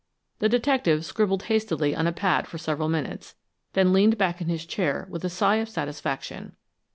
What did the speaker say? The detective scribbled hastily on a pad for several minutes, then leaned back in his chair, with a sigh of satisfaction.